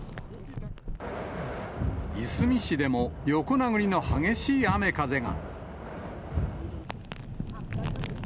いすみ市でも横殴りの激しい雨風が。